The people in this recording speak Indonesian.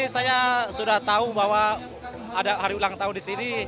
saya sudah tahu bahwa ada hari ulang tahun disini